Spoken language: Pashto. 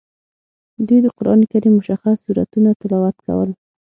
دوی د قران کریم مشخص سورتونه تلاوت کول.